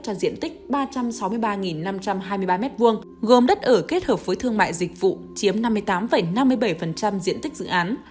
cho diện tích ba trăm sáu mươi ba năm trăm hai mươi ba m hai gồm đất ở kết hợp với thương mại dịch vụ chiếm năm mươi tám năm mươi bảy diện tích dự án